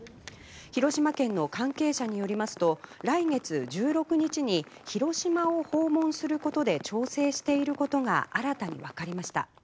広島県の関係者によりますと来月１６日に広島を訪問することで調整していることが新たに分かりました。